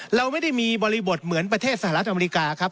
เราไม่ได้มีบริบทเหมือนประเทศสหรัฐอเมริกาครับ